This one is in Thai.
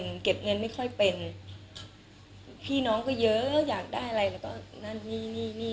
เก็บเงินไม่ค่อยเป็นพี่น้องก็เยอะอยากได้อะไรแล้วก็นั่นนี่นี่